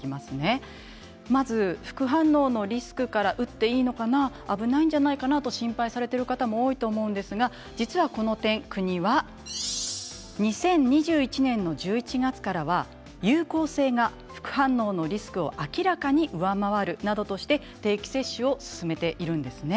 副反応のリスクから打っていいのかな危ないんじゃないかなと心配されている方も多いと思いますがこの点に国は２０２１年の１１月からは有効性が副反応のリスクを明らかに上回るなどとして定期接種をすすめています。